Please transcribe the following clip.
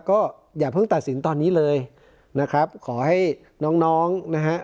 ก็อย่าเพิ่งตัดสินตอนนี้เลยนะครับขอให้น้องน้องนะฮะ